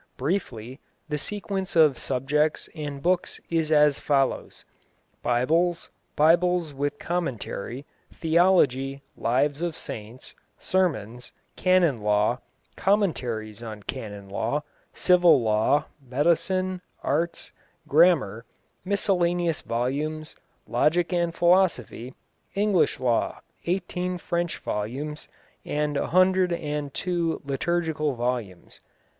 Briefly, the sequence of subjects and books is as follows: Bibles, Bibles with commentary, theology, lives of saints, sermons, canon law, commentaries on canon law, civil law, medicine, arts, grammar, miscellaneous volumes, logic and philosophy, English law, eighteen French volumes, and a hundred and two liturgical volumes.